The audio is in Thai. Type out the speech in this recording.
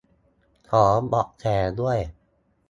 ขอเบาะแสด้วย